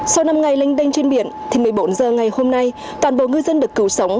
sau năm ngày lênh đênh trên biển thì một mươi bốn h ngày hôm nay toàn bộ ngư dân được cứu sống